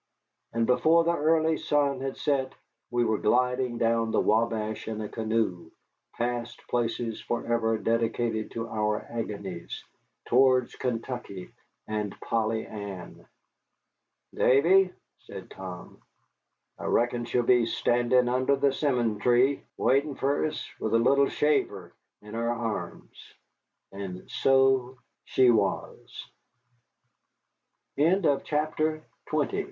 And before the early sun had set we were gliding down the Wabash in a canoe, past places forever dedicated to our agonies, towards Kentucky and Polly Ann. "Davy," said Tom, "I reckon she'll be standin' under the 'simmon tree, waitin' fer us with the little shaver in her arms." And so she was. BOOK II. FLOTS